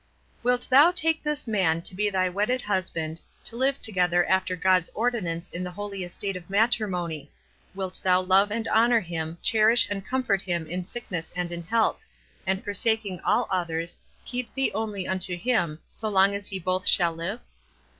"Wilt thou take this man to be thy wedded husband, to live together after God's ordinance in the holy estate of matrimony ; wilt thou love and honor him, eherish and comfort him in sick ness and in health ; and forsaking all others, keep thee only unto him, so long as ye both shall live?"